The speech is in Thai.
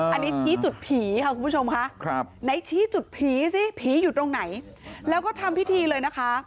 อันนี้ชี้จุดผีค่ะคุณผู้ชมค่ะไหนชี้จุดผีสิผีอยู่ตรงไหนแล้วก็ทำพิธีเลยนะคะ